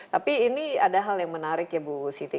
tapi ini ada hal yang menarik ya bu siti